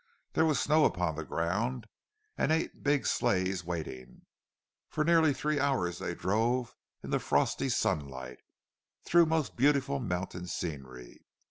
There was snow upon the ground, and eight big sleighs waiting; and for nearly three hours they drove in the frosty sunlight, through most beautiful mountain scenery.